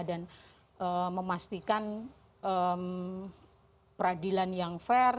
dan memastikan peradilan yang fair